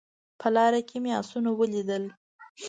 په لاره کې مې اسونه ولیدل